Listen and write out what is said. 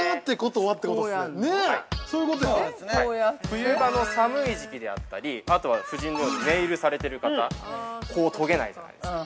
◆冬場の寒い時期であったり、あと、夫人のようにネイルされてる方、こう、とげないじゃないですか。